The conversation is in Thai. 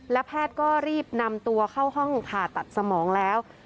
และแพทย์ก็รีบนำตัวเข้าห้องผ่าตัดสมองแล้ว